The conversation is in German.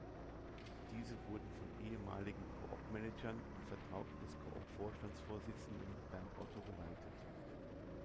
Diese wurden von ehemaligen co-op-Managern und Vertrauten des co-op-Vorstandsvorsitzenden Bernd Otto geleitet.